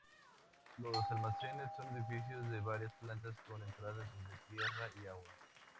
Los almacenes son edificios de varias plantas con entradas desde tierra y agua.